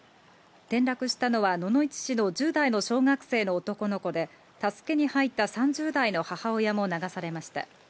転落したのは、野々市市の１０代の小学生の男の子で助けに入った３０代の母親も流されました。